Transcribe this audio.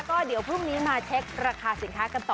ก็เดี๋ยวพรุ่งนี้มาเช็คราคาสินค้ากันต่อ